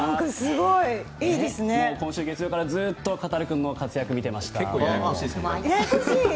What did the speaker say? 今週の月曜からずっとカタルくんの活躍見てました。